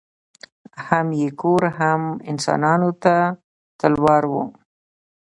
هم یې کور هم انسانانو ته تلوار وو